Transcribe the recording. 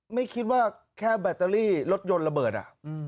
ไม่คิดว่าแค่แบตเตอรี่รถยนต์ระเบิด